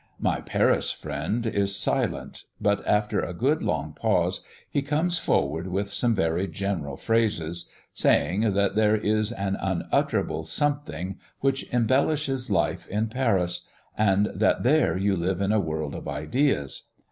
My Paris friend is silent; but after a good long pause, he comes forward with some very general phrases, saying, that there is an unutterable something which embellishes life in Paris, and that there you live in a world of ideas.